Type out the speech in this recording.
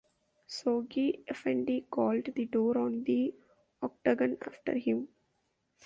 Shoghi Effendi called the door on the octagon after him.